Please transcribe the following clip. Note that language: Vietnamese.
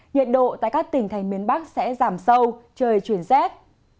nhiệt độ tại các tỉnh thành miền bắc sẽ giảm sâu trời chuyển rét